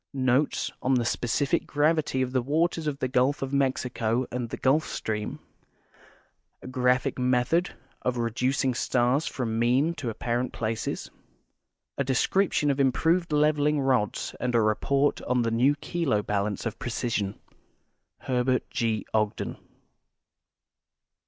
Notes on the Specific Gravity of the Waters of the Gulf of ^lexico and the Gulf Stream ; A Graphic Method of Reducing Stars from ^lean to Apparent Places ; A Description of Improved Leveling Rods and a Report on the New Kilo Balance of Precision. Herbert G. Ogdex.